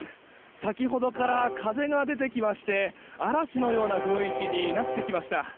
先ほどから風が出てきまして嵐のような雰囲気になってきました。